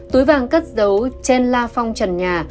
túi vàng cất dấu trên la phong trần nhà